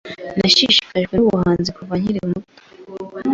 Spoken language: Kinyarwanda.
Nashishikajwe nubuhanzi kuva nkiri umwana.